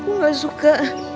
aku enggak suka